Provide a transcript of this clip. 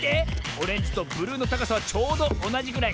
オレンジとブルーのたかさはちょうどおなじぐらい。